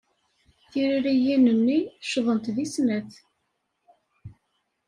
Tiririyin-nni ccḍent deg snat.